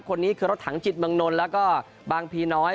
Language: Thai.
คนนี้คือรถถังจิตเมืองนลแล้วก็บางพีน้อย